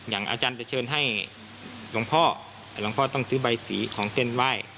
อย่างอาจารย์จะเชิญให้หลวงพ่อหลวงพ่อต้องซื้อใบสีของเส้นไหว้